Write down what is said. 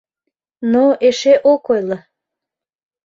Но эше ок ойло.